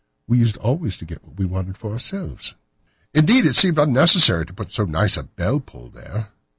We used always to get what we wanted for ourselves." "Indeed, it seemed unnecessary to put so nice a bell pull there.